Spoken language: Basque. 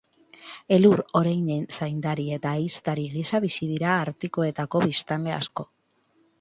Elur oreinen zaindari eta ehiztari gisa bizi dira artikoetako biztanle asko.